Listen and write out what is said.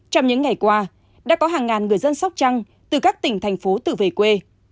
trong những ngày qua đã có hàng ngàn người dân sóc trăng từ các tỉnh thành phố tự về quê